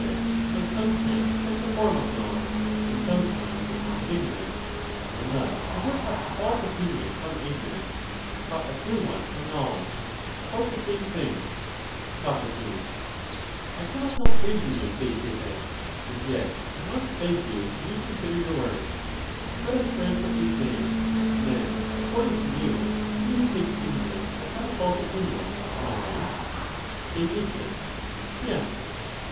them might sometimes catch a form of knowledge, and some of know times a form of ignorance ; and thus he would have a false l^^f® ^y^ opinion from ignorance, but a true one from knowledge, IH^the about the same thing. aviary. But Soc, I cannot help praising you, Theaetetus, and yet I who'm^es 200 must beg you to reconsider your words. Let us grant what a mistake you say— then, according to you, he who takes ignorance will fo^^^jg. have a false opinion — am I right ? norance for Theaet. Yes.